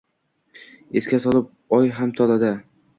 Esga solib oy ham to’ladi.